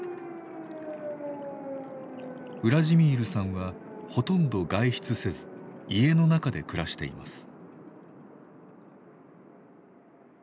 ウラジミールさんはほとんど外出せず家の中で暮らしています。